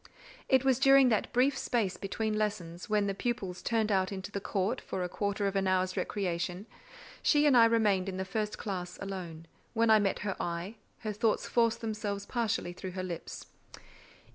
It was during that brief space between lessons, when the pupils turned out into the court for a quarter of an hour's recreation; she and I remained in the first classe alone: when I met her eye, her thoughts forced themselves partially through her lips.